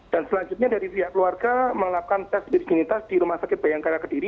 dan selanjutnya dari pihak keluarga mengelapkan tes seginitas di rumah sakit bayangkara kediri